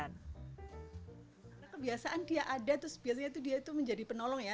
karena kebiasaan dia ada terus biasanya dia itu menjadi penolong ya